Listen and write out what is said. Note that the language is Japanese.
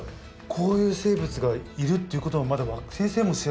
こういう生物がいるっていうことは先生も知らなかったわけですね。